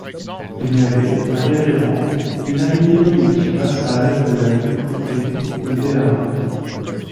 Il y avait à Bérérenx une abbaye laïque, vassale de la vicomté de Béarn.